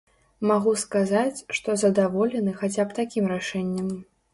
Магу сказаць, што задаволены хаця б такім рашэннем.